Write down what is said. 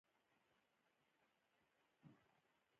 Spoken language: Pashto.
دا صنعتونه د خلکو د ژوند سطحه لوړوي.